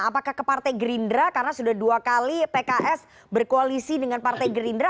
apakah ke partai gerindra karena sudah dua kali pks berkoalisi dengan partai gerindra